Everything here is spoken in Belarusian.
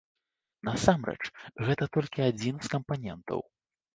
Насамрэч, гэта толькі адзін з кампанентаў.